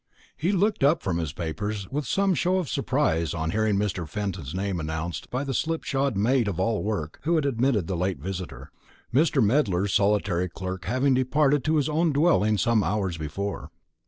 He looked up from his papers with some show of surprise on hearing Mr. Fenton's name announced by the slipshod maid of all work who had admitted the late visitor, Mr. Medler's solitary clerk having departed to his own dwelling some hours before.